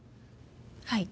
はい。